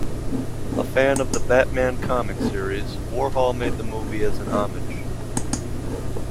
A fan of the Batman comic series, Warhol made the movie as a homage.